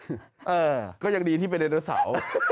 เออก็ยังดีที่เป็นไอโดสาว